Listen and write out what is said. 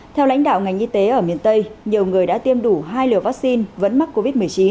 theo lãnh đạo ngành y tế ở miền tây nhiều người đã tiêm đủ hai liều vaccine vẫn mắc covid một mươi chín